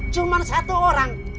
cuman satu orang